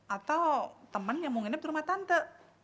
atau teman yang mau nginep rumah tante